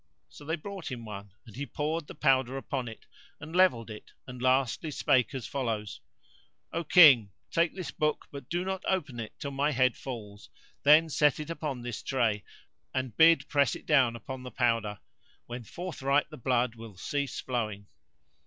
So they brought him one and he poured the powder upon it and levelled it and lastly spake as follows: "O King, take this book but do not open it till my head falls; then set it upon this tray, and bid press it down upon the powder, when forthright the blood will cease flowing.